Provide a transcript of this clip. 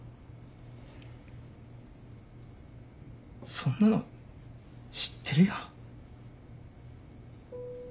そんなの知ってるよ。